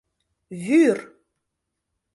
Вӱр!..